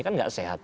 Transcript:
ini kan tidak sehat